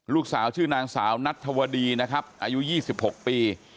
ลูกสาวชื่อนางสาวนัทธวดีนะครับอายุ๒๖ปี